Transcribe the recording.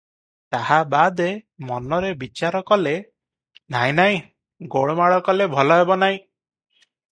ତାହା ବାଦେ ମନରେ ବିଚାର କଲେ – “ନାହିଁ, ନାହିଁ, ଗୋଳମାଳ କଲେ ଭଲ ହେବ ନାହିଁ ।